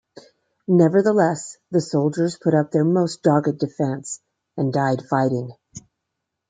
Nevertheless, the soldiers put up their most dogged defense, and died fighting.